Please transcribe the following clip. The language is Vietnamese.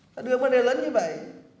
ta đưa vấn đề lớn như vậy